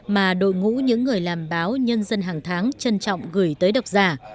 mà đội ngũ những người làm báo nhân dân hàng tháng trân trọng gửi tới độc giả